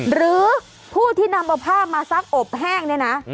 หรือผู้ที่นำเอาผ้ามาซักอบแห้งเนี่ยนะ